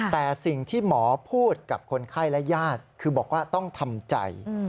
แต่สิ่งที่หมอพูดกับคนไข้และญาติคือบอกว่าต้องทำใจ